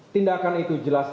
tindakan itu jelas